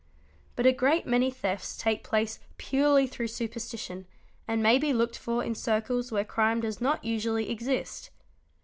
But a great many thefts take place purely through superstition and may be looked for in circles where crime does not usually exist".